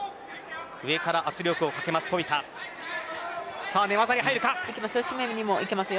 上から圧力をかける冨田です。